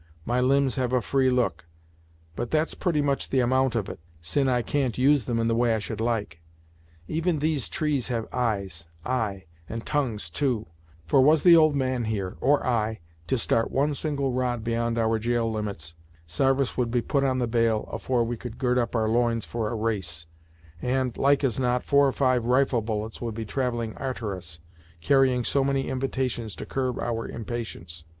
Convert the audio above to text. My limbs have a free look, but that's pretty much the amount of it, sin' I can't use them in the way I should like. Even these trees have eyes; ay, and tongues too; for was the old man, here, or I, to start one single rod beyond our gaol limits, sarvice would be put on the bail afore we could 'gird up our loins' for a race, and, like as not, four or five rifle bullets would be travelling arter us, carrying so many invitations to curb our impatience.